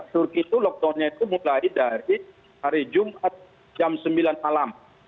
turki itu lockdownnya itu mulai dari hari jumat jam sembilan malam